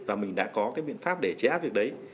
và mình đã có cái biện pháp để trẻ áp việc đấy